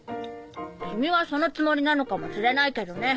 君はそのつもりなのかもしれないけどね。